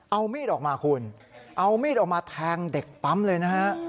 เอามีดออกมาคุณเอามีดออกมาแทงเด็กปั๊มเลยนะฮะ